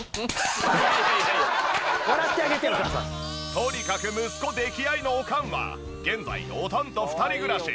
とにかく息子溺愛のおかんは現在おとんと２人暮らし。